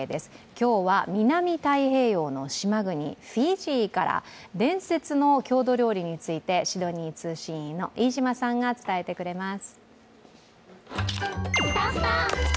今日は南太平洋の島国、フィジーから伝説の郷土料理についてシドニー通信員の飯島さんが伝えてくれます。